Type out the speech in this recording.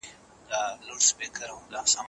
د ټولني جوړول زموږ ګډه دنده ده.